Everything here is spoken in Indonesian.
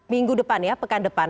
minggu depan ya pekan depan